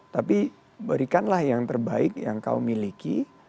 tapi berikanlah yang terbaik yang kau miliki